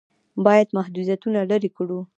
باید محدودیتونه لرې کړو.